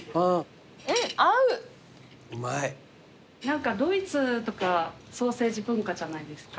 何かドイツとかソーセージ文化じゃないですか。